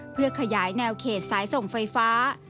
เพื่อขยายแนวเขตสายส่งไฟฟ้า